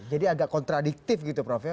jadi agak kontradiktif gitu prof ya